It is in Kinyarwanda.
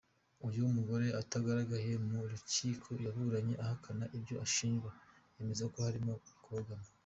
Uyu mugore utagaragaye mu rukiko yaburanye ahakana ibyo ashinjwa, yemeza ko harimo kubogama.